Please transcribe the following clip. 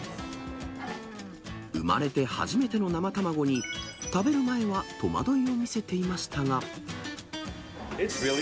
生まれて初めての生卵に、食べる前は戸惑いを見せていましたが。